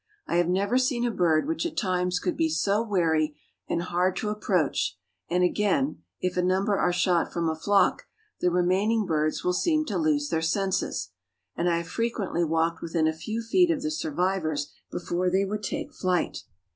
I have never seen a bird which at times could be so wary and hard to approach, and again, if a number are shot from a flock, the remaining birds will seem to lose their senses, and I have frequently walked within a few feet of the survivors before they would take flight.